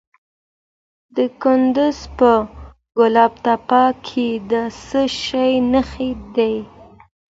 د کندز په ګل تپه کې د څه شي نښې دي؟